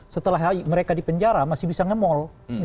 setelah mereka di penjara masih bisa ngemol